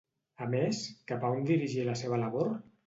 A més, cap a on dirigí la seva labor?